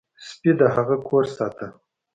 سپي د هغه کور ساته.